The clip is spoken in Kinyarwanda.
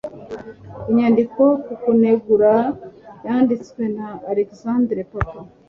inyandiko ku kunegura yanditswe na alexander papa